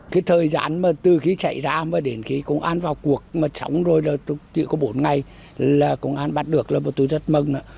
cái thời gian từ khi chạy ra đến khi công an vào cuộc mà sống rồi là chỉ có bốn ngày là công an bắt được là tôi rất mừng